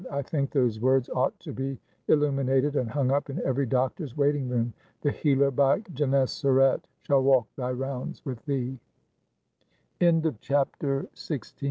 "I think those words ought to be illuminated and hung up in every doctor's waiting room." "'The Healer by Gennesaret Shall walk thy rounds with thee.'" CHAPTER XVII. PRODI